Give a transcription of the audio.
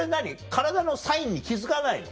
体のサインに気付かないの？